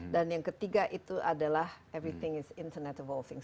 dan yang ketiga itu adalah everything is internet evolving